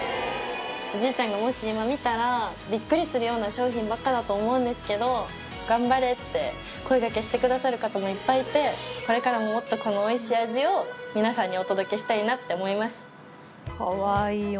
おじいちゃんがもし今見たらビックリするような商品ばっかだと思うんですけど「頑張れ」って声がけしてくださる方もいっぱいいてこれからももっとこのおいしい味を皆さんにお届けしたいなって思います。